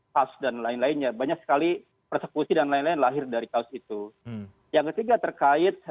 kas dan lain lainnya banyak sekali persekusi dan lain lain lahir dari kaos itu yang ketiga terkait